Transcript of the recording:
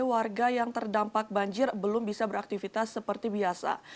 warga yang terdampak banjir belum bisa beraktivitas seperti biasa